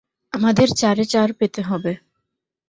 আমাদের চারে চার পেতে হবে।